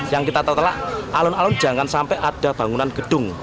yang kita tertelak alun alun jangan sampai ada bangunan gedung